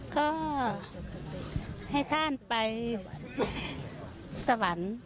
ก็ให้ท่านไปสวรรค์